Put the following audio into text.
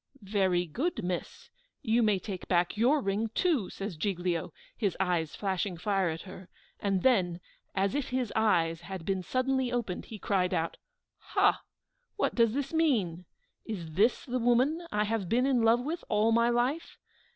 "Very good, miss! You may take back your ring, too!" says Giglio, his eyes flashing fire at her; and then, as if his eyes had been suddenly opened, he cried out, "Ha! what does this mean? Is this the woman I have been in love with all my life?